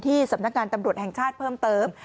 สำนักงานตำรวจแห่งชาติเพิ่มเติม